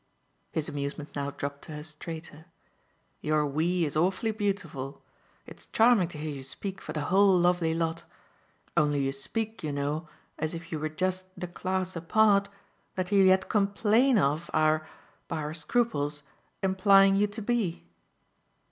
His amusement now dropped to her straighter. "Your 'we' is awfully beautiful. It's charming to hear you speak for the whole lovely lot. Only you speak, you know, as if you were just the class apart that you yet complain of our by our scruples implying you to be."